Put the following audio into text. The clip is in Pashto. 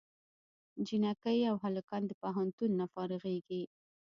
جینکۍ او هلکان د پوهنتون نه فارغېږي